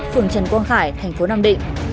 phường trần quang khải thành phố nam định